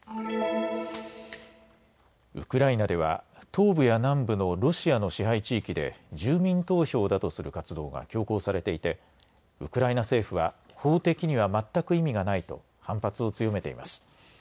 ウクライナでは東部や南部のロシアの支配地域で住民投票だとする活動が強行されていてウクライナ政府は法的には全く意味がないと反発を強めています。